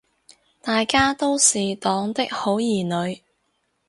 大家都是黨的好兒女